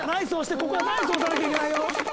ここはＮＩＣＥ押さなきゃいけないよ。